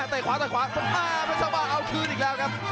แต่ขวาแต่ขวาไม่สามารถเอาคืนอีกแล้วครับ